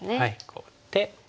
こうやって。